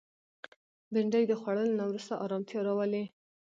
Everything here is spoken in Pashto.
بېنډۍ د خوړلو نه وروسته ارامتیا راولي